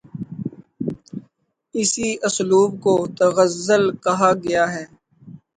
اسی اسلوب کو تغزل کہا گیا ہے